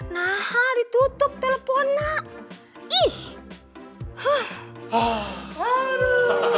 nah ditutup teleponnya